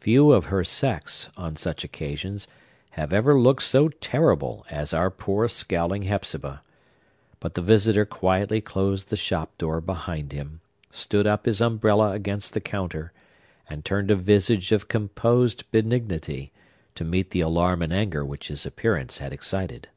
Few of her sex, on such occasions, have ever looked so terrible as our poor scowling Hepzibah. But the visitor quietly closed the shop door behind him, stood up his umbrella against the counter, and turned a visage of composed benignity, to meet the alarm and anger which his appearance had excited.